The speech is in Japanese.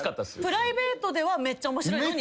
プライベートではめっちゃ面白いのに。